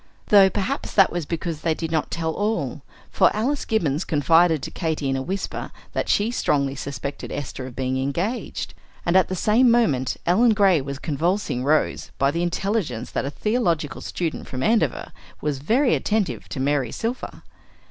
Though, perhaps, that was because they did not tell all; for Alice Gibbons confided to Katy in a whisper that she strongly suspected Esther of being engaged, and at the same moment Ellen Gray was convulsing Rose by the intelligence that a theological student from Andover was "very attentive" to Mary Silver.